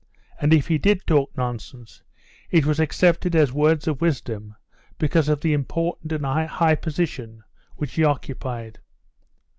And if he did talk nonsense, it was accepted as words of wisdom because of the important and high position which he occupied.